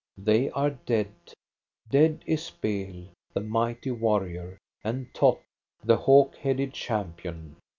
They are dead. Dead is Bel, the mighty warrior, and Thot, the hawk headed champion.